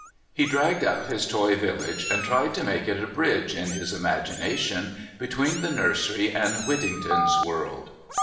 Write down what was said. He dragged out his toy village and tried to make it a bridge in his imagination between the nursery and Whittington's world.